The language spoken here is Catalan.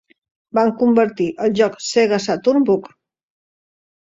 Van convertir el joc Sega Saturn Bug!